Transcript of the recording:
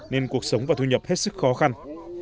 nên cuộc sống và thu nhập hết sức khó khăn